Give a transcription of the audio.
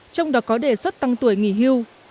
trong đó có đề xuất tăng tuổi nghỉ hưu